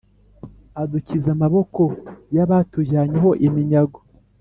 adukiza amaboko yabatujyanye ho iminyago